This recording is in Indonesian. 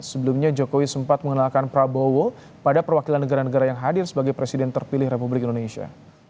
sebelumnya jokowi sempat mengenalkan prabowo pada perwakilan negara negara yang hadir sebagai presiden terpilih republik indonesia